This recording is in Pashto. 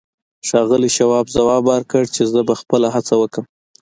ښاغلي شواب ځواب ورکړ چې زه به خپله هڅه وکړم.